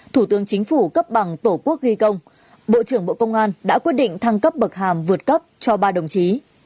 thủ tướng chính phủ cấp bằng tổ quốc ghi công bộ trưởng bộ công an đã quyết định thăng cấp bậc hàm vượt cấp cho ba đồng chí